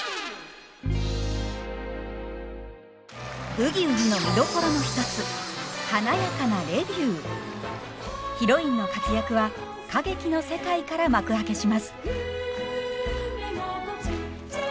「ブギウギ」の見どころの一つヒロインの活躍は歌劇の世界から幕開けします。